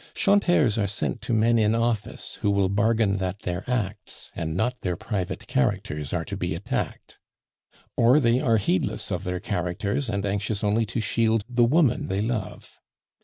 'Chanteurs' are sent to men in office, who will bargain that their acts and not their private characters are to be attacked, or they are heedless of their characters, and anxious only to shield the woman they love.